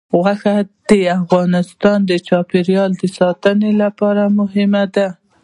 غوښې د افغانستان د چاپیریال ساتنې لپاره مهم دي.